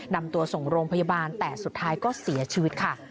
นำตัวส่งโรงพยาบาลแต่สุดท้ายก็เสียชีวิตค่ะ